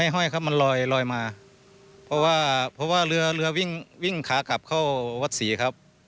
ห้อยครับมันลอยมาเพราะว่าเพราะว่าเรือเรือวิ่งวิ่งขากลับเข้าวัดศรีครับ